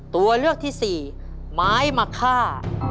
ตัวเลือกที่สี่ไม้มะค่า